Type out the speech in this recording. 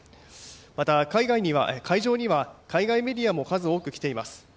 また、会場には海外メディアも数多く来ています。